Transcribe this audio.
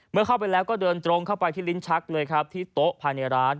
เข้าไปแล้วก็เดินตรงเข้าไปที่ลิ้นชักเลยครับที่โต๊ะภายในร้าน